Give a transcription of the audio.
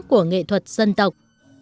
của nghệ thuật dân tộc